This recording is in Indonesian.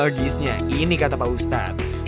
logisnya ini kata pak ustadz